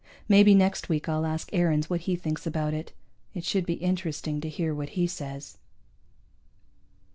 Maybe next week I'll ask Aarons what he thinks about it. It should be interesting to hear what he says.